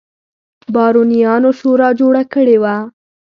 بارونیانو شورا جوړه کړې وه.